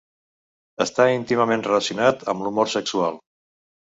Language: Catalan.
Està íntimament relacionat amb l'humor sexual.